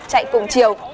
chạy cùng chiều